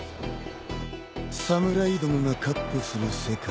侍どもが闊歩する世界か。